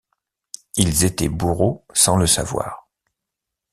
Ils étaient bourreaux sans le savoir.